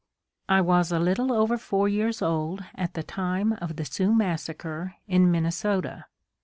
I was a little over four years old at the time of the "Sioux massacre" in Minnesota.